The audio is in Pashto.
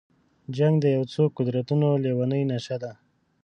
جنګ د یو څو قدرتونو لېونۍ نشه ده.